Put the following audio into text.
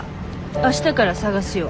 明日から探すよ。